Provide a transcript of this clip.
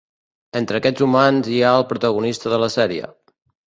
Entre aquests humans hi ha el protagonista de la sèrie.